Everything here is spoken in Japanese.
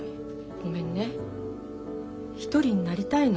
ごめんね一人になりたいの。